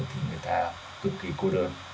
thì người ta cực kỳ cô đơn